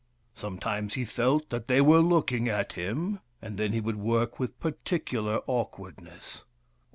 Sometimes he felt that they were looking at him, and then he would work with par ticular awkwardness.